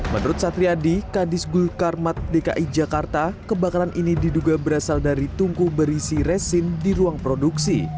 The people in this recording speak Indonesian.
menurut satriadi kadis gul karmat dki jakarta kebakaran ini diduga berasal dari tungku berisi resin di ruang produksi